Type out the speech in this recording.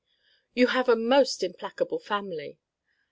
You have a most implacable family.